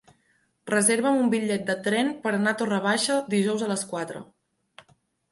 Reserva'm un bitllet de tren per anar a Torre Baixa dijous a les quatre.